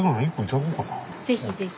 是非是非。